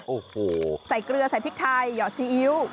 โอ้โหใส่เกลือใส่พริกไทยหยอดซีอิ๊ว